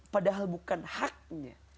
padahal bukan haknya